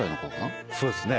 そうですね。